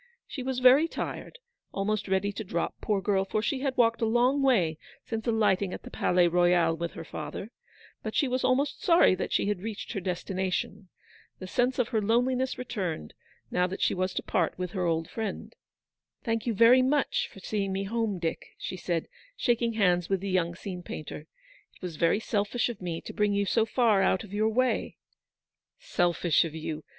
She was very tired, almost ready to drop, poor girl, for she had walked a long way since alighting at the Palais Royal with her father ; but she was almost sorry that she had reached her destination. The sense of her lone liness returned, now that she was to part with her old friend. u Thank you very much for seeing me home, Dick," she said, shaking hands with the young scene painter. " It was very selfish of me to bring you so far out of your way." " Selfish of you